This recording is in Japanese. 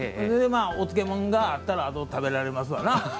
お漬物があったら食べられますわな。